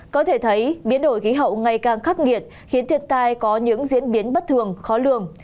có thể thấy biến đổi khí hậu ngày càng khắc nghiệt khiến thiệt tai có những diễn biến bất thường khó lường